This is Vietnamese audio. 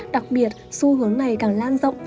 đặc biệt xu hướng này càng lan rộng